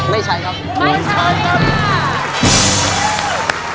ไม่ใช้ครับ